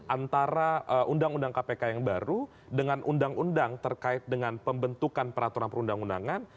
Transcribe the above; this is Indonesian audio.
antara undang undang kpk yang baru dengan undang undang terkait dengan pembentukan peraturan perundang undangan